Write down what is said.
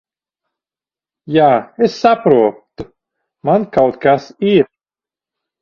Jā, es saprotu. Man kaut kas ir...